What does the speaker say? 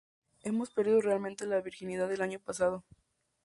Hemos perdido realmente la virginidad del año pasado".